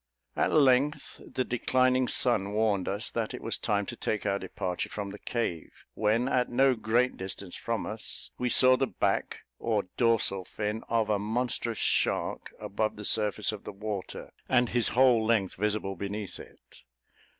At length, the declining sun warned us that it was time to take our departure from the cave, when, at no great distance from us, we saw the back, or dorsal fin of a monstrous shark above the surface of the water, and his whole length visible beneath it.